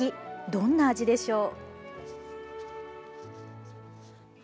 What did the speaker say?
どんな味でしょう？